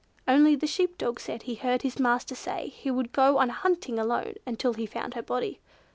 Only the sheep dog said he heard his master say he would go on hunting alone, until he found her body.